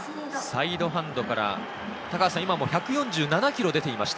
サイドハンドから今も１４７キロ出ていました。